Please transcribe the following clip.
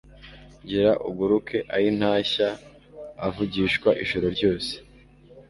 Gira uguruke ayintashya» Avugishwa ijoro ryose